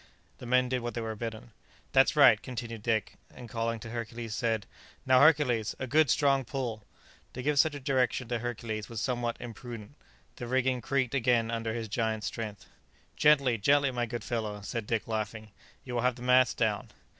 The men did what they were bidden. "That's right!" continued Dick, and calling to Hercules, said, "Now, Hercules; a good strong pull!" To give such a direction to Hercules was somewhat imprudent; the rigging creaked again under his giant strength. "Gently, gently, my good fellow!" said Dick, laughing; "you will have the mast down."